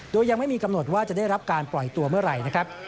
โดยยังไม่มีกำหนดว่าจะได้รับการปล่อยตัวเมื่อไหร่นะครับ